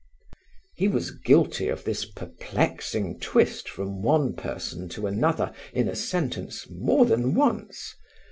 He was guilty of this perplexing twist from one person to another in a sentence more than once.